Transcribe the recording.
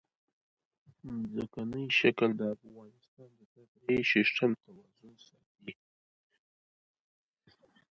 ځمکنی شکل د افغانستان د طبعي سیسټم توازن ساتي.